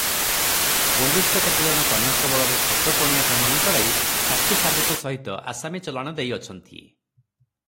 ପୋଲିଶର କେତେଜଣ କନଷ୍ଟବଳର ଠକପଣିଆ ପ୍ରମାଣ କରାଇ ସାକ୍ଷୀ ସାବୁତ ସହିତ ଆସାମୀ ଚଲାଣ ଦେଇ ଅଛନ୍ତି ।